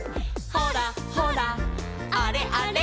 「ほらほらあれあれ」